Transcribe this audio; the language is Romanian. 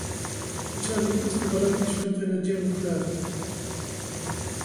Același lucru este valabil și pentru energia nucleară.